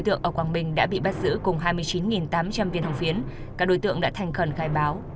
trong hai mươi chín tám trăm linh viên hồng phiến các đối tượng đã thành khẩn khai báo